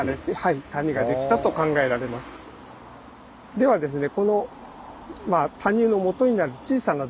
ではですね